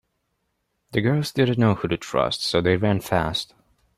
The girls didn’t know who to trust so they ran fast.